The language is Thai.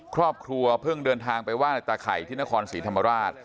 ครอบครัวเพิ่งเดินทางไปไห้ตาไข่ที่นครศรีธรรมราช